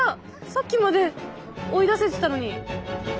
さっきまで追い出せてたのに！